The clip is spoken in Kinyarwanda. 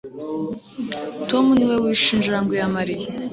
Tom niwe wishe injangwe ya Mariya